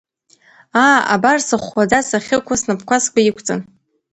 Аа, абар, сыхәхәаза сахьықәу, снапқәа сгәы иқәҵан.